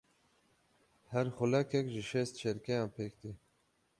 Her xulekek ji şêst çirkeyan pêk tê.